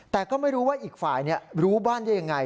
แต่ก็ไม่รู้ว่าอีกฝ่ายรู้บ้านได้ยังไง